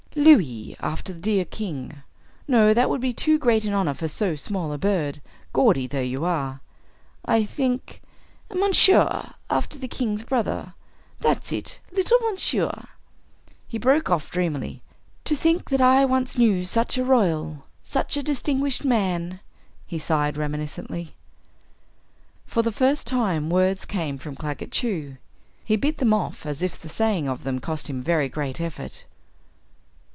"Louis, after the dear king? No that would be too great an honor for so small a bird, gaudy though you are. I think, 'Monsieur,' after the king's brother. That's it. Little Monsieur." He broke off, dreamily. "To think that I once knew such a royal, such a distinguished man!" He sighed reminiscently. For the first time words came from Claggett Chew. He bit them off as if the saying of them cost him very great effort.